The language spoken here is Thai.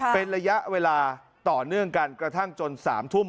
เป็นระยะเวลาต่อเนื่องกันกระทั่งจน๓ทุ่ม